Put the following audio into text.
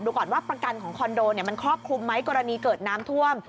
ก่อนว่าประกันของคอนโดมันครอบคลุมไหมกรณีเกิดน้ำท่วม